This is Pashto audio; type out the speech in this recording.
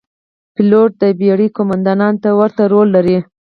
پیلوټ د بېړۍ قوماندان ته ورته رول لري.